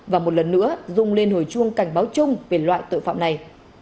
và một lần nữa dung lên hồi chuông cảnh báo chung về loại tội phạm này